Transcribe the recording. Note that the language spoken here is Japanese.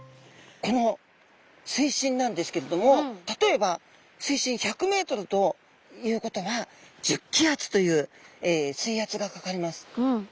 この水深なんですけれども例えば水深１００ｍということは１０気圧という水圧がかかります。